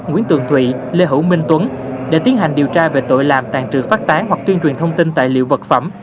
nguyễn tường thụy lê hữu minh tuấn để tiến hành điều tra về tội làm tàn trừ phát tán hoặc tuyên truyền thông tin tài liệu vật phẩm